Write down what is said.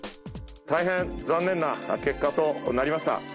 大変残念な結果となりました。